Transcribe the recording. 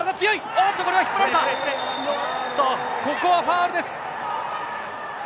おっと、ここはファウルです。